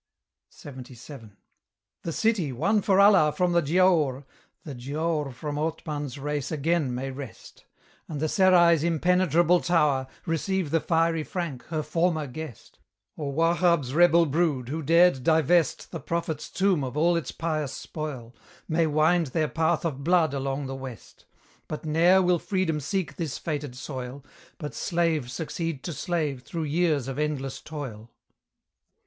LXXVII. The city won for Allah from the Giaour, The Giaour from Othman's race again may wrest; And the Serai's impenetrable tower Receive the fiery Frank, her former guest; Or Wahab's rebel brood, who dared divest The Prophet's tomb of all its pious spoil, May wind their path of blood along the West; But ne'er will Freedom seek this fated soil, But slave succeed to slave through years of endless toil.